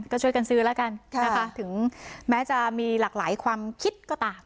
ก็ช่วยกันซื้อแล้วกันนะคะถึงแม้จะมีหลากหลายความคิดก็ตาม